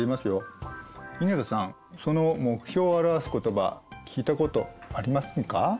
井桁さんその目標を表す言葉聞いたことありませんか？